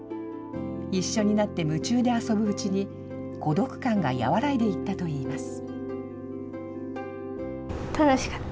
一緒になって夢中で遊ぶうちに、孤独感が和らいでいったといいます。